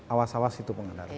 awas awas itu pengendaraan